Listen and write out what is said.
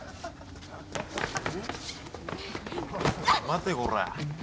待てこら。